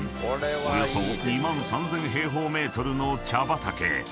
［およそ２万３，０００平方ｍの茶畑］